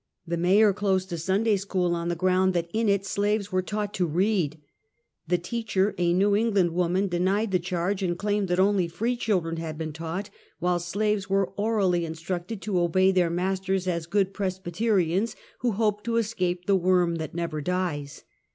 The mayor closed a Sunday school, on the ground that in it slaves were taught to read. The teacher, a '^ew England woman, denied the charge, and claimed that only free children had been taught, while slaves were orally instructed to obey their masters, as good Presbyterians, who hoped to escape the worm that never dies.